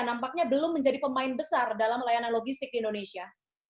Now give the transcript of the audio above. nampaknya belum menjadi pemain besar dalam layanan logistik di indonesia